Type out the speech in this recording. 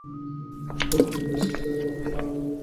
পরবর্তী স্তরটাকে বলা হয় আবরণ, মূলত নিরেট।